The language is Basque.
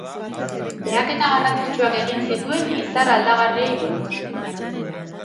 Behaketa garrantzitsuak egin zituen izar aldagarriei buruz.